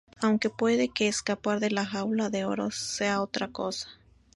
Aunque puede que escapar de la jaula de oro sea otra cosa.